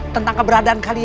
tentang keberadaan kalian